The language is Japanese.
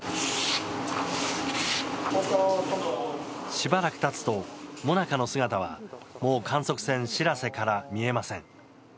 しばらく経つとＭＯＮＡＣＡの姿はもう観測船「しらせ」から見えません。